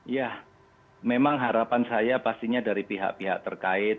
ya memang harapan saya pastinya dari pihak pihak terkait